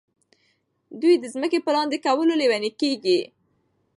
دوی د ځمکو په لاندې کولو لیوني دي.